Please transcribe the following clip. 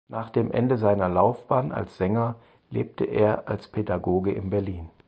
Nach dem Ende seiner Laufbahn als Sänger lebte er als Pädagoge in Berlin.